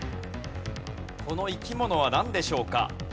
この生き物はなんでしょうか？